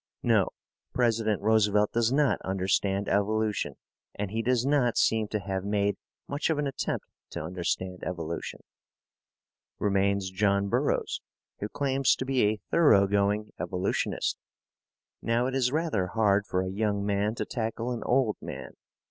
No, President Roosevelt does not understand evolution, and he does not seem to have made much of an attempt to understand evolution. Remains John Burroughs, who claims to be a thorough going evolutionist. Now, it is rather hard for a young man to tackle an old man.